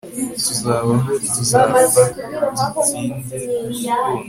tuzabaho, tuzapfa, dutsinde urukundo